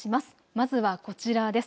まずはこちらです。